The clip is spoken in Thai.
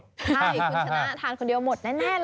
ใช่คุณชนะทานคนเดียวหมดแน่เลย